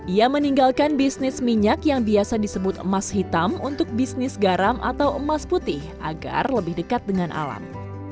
ia meninggalkan bisnis minyak yang biasa disebut emas hitam untuk bisnis garam atau emas putih agar lebih dekat dengan alam